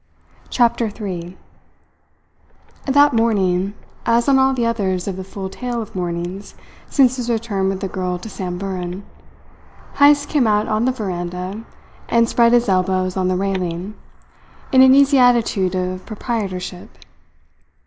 CHAPTER THREE That morning, as on all the others of the full tale of mornings since his return with the girl to Samburan, Heyst came out on the veranda and spread his elbows on the railing, in an easy attitude of proprietorship.